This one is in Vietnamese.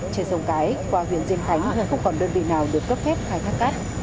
trên sông cái qua huyện dinh thánh không còn đơn vị nào được cấp phép khai thác cát